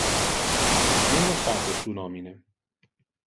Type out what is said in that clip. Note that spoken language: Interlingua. Nemo sape su nomine.